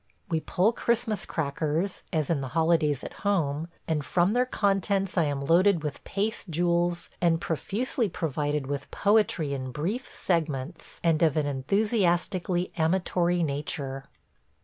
We pull Christmas crackers, as in the holidays at home, and from their contents I am loaded with paste jewels and profusely provided with poetry in brief segments and of an enthusiastically amatory nature.